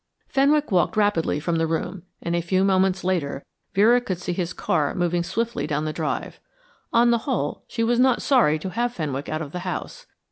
Fenwick walked rapidly from the room, and a few moments later Vera could see his car moving swiftly down the drive. On the whole, she was not sorry to have Fenwick out of the house.